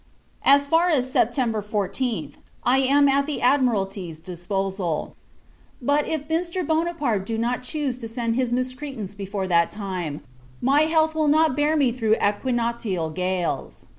As far as September 14th, I am at the Admiralty's disposal; but, if Mr. Buonaparte do not chuse to send his miscreants before that time, my health will not bear me through equinoctial gales.